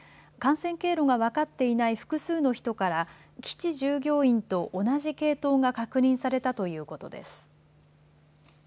感染経路が分かっていない複数の人から基地従業員と同じ系統が確認されたということです。